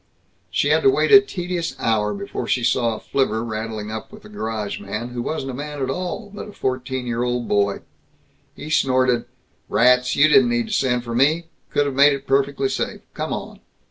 She had to wait a tedious hour before she saw a flivver rattling up with the garage man, who wasn't a man at all, but a fourteen year old boy. He snorted, "Rats, you didn't need to send for me. Could have made it perfectly safe. Come on."